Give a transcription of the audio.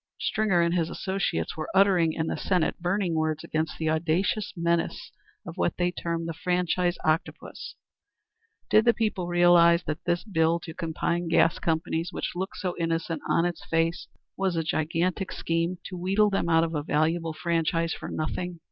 Stringer and his associates were uttering in the Senate burning words against the audacious menace of what they termed the franchise octopus. Did the people realize that this bill to combine gas companies, which looked so innocent on its face, was a gigantic scheme to wheedle them out of a valuable franchise for nothing?